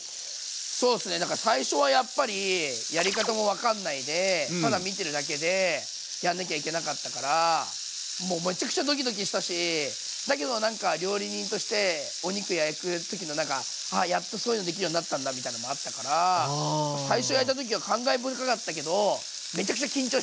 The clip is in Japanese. そうすねだから最初はやっぱりやり方も分かんないでただ見てるだけでやんなきゃいけなかったからもうめちゃくちゃドキドキしたしだけどなんか料理人としてお肉焼く時のなんかあやっとそういうのできるようになったんだみたいのもあったから最初焼いた時は感慨深かったけどめちゃくちゃ緊張したね。